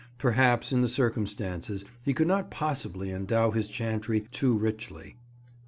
Perhaps, in the circumstances, he could not possibly endow his chantry too richly.